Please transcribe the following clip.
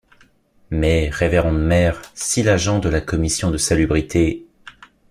Mais, révérende mère, si l’agent de la commission de salubrité...